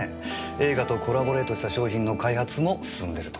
映画とコラボレートした商品の開発も進んでるとか。